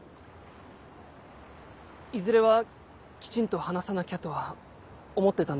いずれはきちんと話さなきゃとは思ってたんですが。